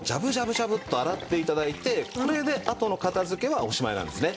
ジャブっと洗って頂いてこれであとの片付けはおしまいなんですね。